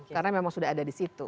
karena memang sudah ada di situ